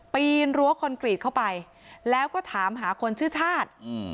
ปีนรั้วคอนกรีตเข้าไปแล้วก็ถามหาคนชื่อชาติ